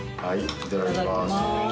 いただきます。